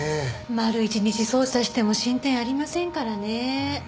丸一日捜査しても進展ありませんからね。